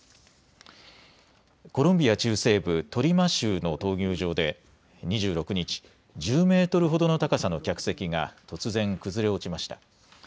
コロンビア中西部トリマ州の闘牛場で２６日、１０メートルほどの高さの客席が突然崩れ落ちました。